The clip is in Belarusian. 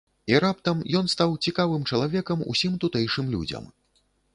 І раптам ён стаў цікавым чалавекам усім тутэйшым людзям.